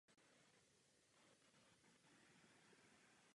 Narodila se a celý život prožila v Jablonci nad Nisou.